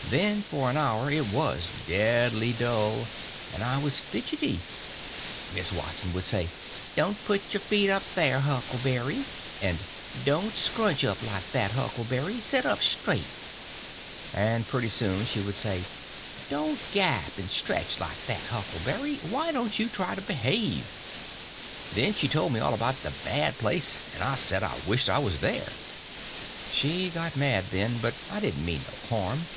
Then for an hour it was deadly dull, and I was fidgety. Miss Watson would say, "Don't put your feet up there, Huckleberry;" and "Don't scrunch up like that, Huckleberry—set up straight;" and pretty soon she would say, "Don't gap and stretch like that, Huckleberry—why don't you try to behave?" Then she told me all about the bad place, and I said I wished I was there. She got mad then, but I didn't mean no harm.